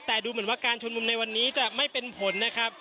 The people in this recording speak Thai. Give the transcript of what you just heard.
แต่ดูเหมือนว่าการชุมนุมในวันนี้จะไม่เป็นผลนะครับ